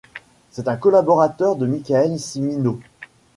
C'est un collaborateur de Michael Cimino.